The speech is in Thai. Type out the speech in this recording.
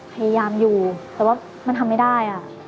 พยายามอยู่แต่ว่ามันทำไม่ได้